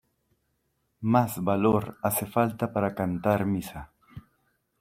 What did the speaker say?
¡ más valor hace falta para cantar misa!